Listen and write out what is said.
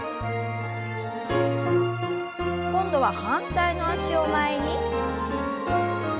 今度は反対の脚を前に。